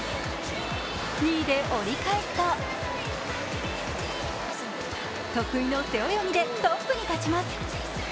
２位で折り返すと得意の背泳ぎでトップに立ちます。